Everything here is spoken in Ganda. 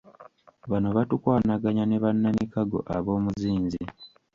Bano be batukwanaganya ne bannamikago ab'omuzinzi.